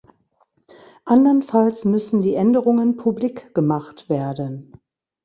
Andernfalls müssen die Änderungen publik gemacht werden.